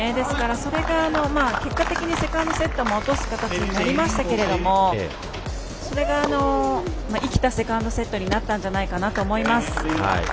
それが、結果的にセカンドセットも落とす形になりましたけれどもそれが生きたセカンドセットになったんじゃないかなと思います。